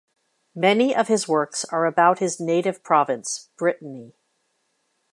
Many of his works are about his native province, Brittany.